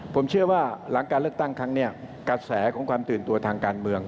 ผมเชื่อว่าหลังการเลือกตั้งครั้งนี้กระแสของความตื่นตัวทางการเมือง